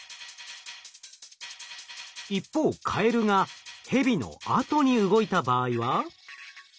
一方カエルがヘビのあとに動いた場合は？